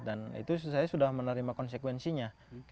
itu saya sudah menerima konsekuensinya